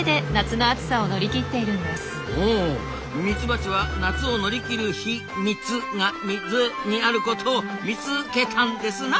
バチは夏を乗り切るヒ「ミツ」が「ミヅ」にあることを「ミツ」けたんですな。